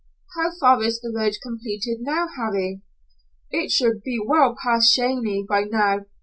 How far is the road completed now, Harry?" "It should be well past Cheyenne by now.